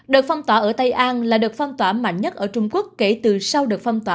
đợt phong tỏa ở tây an là đợt phong tỏa mạnh nhất ở trung quốc kể từ sau đợt phong tỏa